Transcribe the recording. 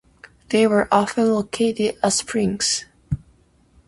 They were often located at springs.